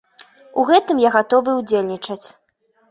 У гэтым я гатовы ўдзельнічаць.